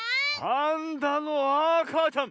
パンダのあかちゃん。